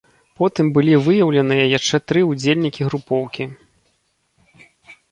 Потым былі выяўленыя яшчэ тры ўдзельнікі групоўкі.